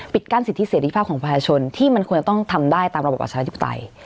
กั้นสิทธิเสรีภาพของประชาชนที่มันควรจะต้องทำได้ตามระบบประชาธิปไตย